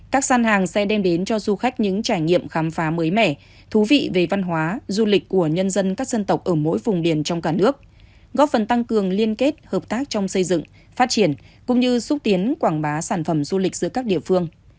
các gian hàng sẽ đem đến cho du khách những trải nghiệm khám phá mới mẻ thú vị về văn hóa du lịch của nhân dân các dân tộc ở mỗi vùng biển trong cả nước góp phần tăng cường liên kết hợp tác trong xây dựng phát triển cũng như xúc tiến quảng bá sản phẩm du lịch giữa các địa phương